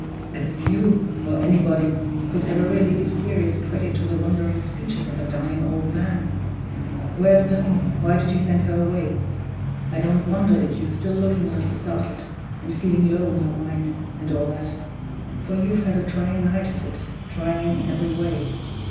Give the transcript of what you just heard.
As if you, or anybody, could ever really give serious credit to the wandering speeches of a dying old man! (Where is Perrine? Why did you send her away?) I don't wonder at your still looking a little startled, and feeling low in your mind, and all that for you've had a trying night of it, trying in every way.